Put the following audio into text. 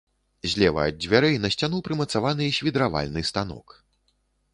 Злева ад дзвярэй на сцяну прымацаваны свідравальны станок.